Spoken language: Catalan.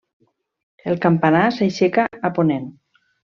El campanar s'aixeca a ponent.